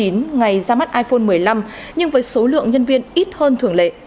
ngày ra mắt iphone một mươi năm nhưng với số lượng nhân viên ít hơn thường lệ